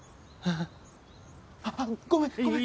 あっごめんごめん。